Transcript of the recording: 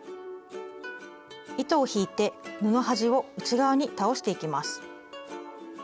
糸を引いて布端を内側に倒していきます。